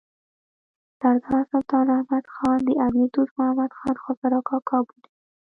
سردار سلطان احمد خان د امیر دوست محمد خان خسر او کاکا بولي.